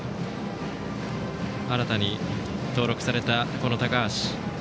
新たに登録された高橋。